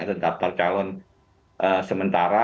tetap percahuan sementara